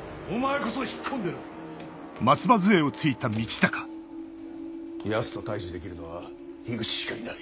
・お前こそ引っ込んでろ・ヤツと対峙できるのは口しかいない。